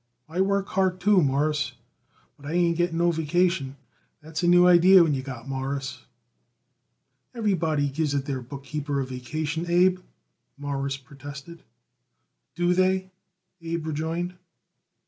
I work hard, too, Mawruss, but I ain't getting no vacation. That's a new idee what you got, Mawruss." "Everybody gives it their bookkeeper a vacation, Abe," Morris protested. "Do they?" Abe rejoined.